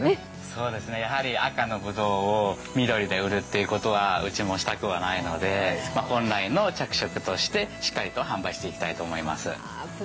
そうですね、赤のぶどうを緑で売るってことはうちもしたくはないので本来の着色としてしっかりと販売していきたいと思います。